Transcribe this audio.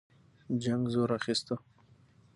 جنګ زور اخیسته.